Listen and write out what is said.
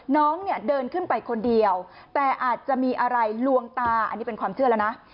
น้องเนี่ยเดินขึ้นไปคนเดียวแต่อาจจะมีอะไรลวงตาอันนี้เป็นความเชื่อแล้วนะ